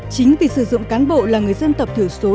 chính vì sử dụng cán bộ là người dân tập thiểu số